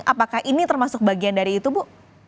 apakah ini termasuk bagian dari itu bu